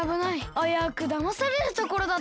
あやうくだまされるところだった。